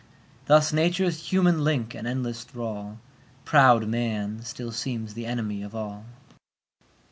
Thus nature's human link and endless thrall, Proud man, still seems the enemy of all.